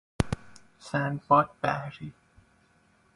سندباد بحری